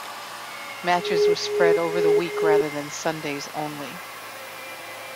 Matches were spread over the week rather than Sundays only.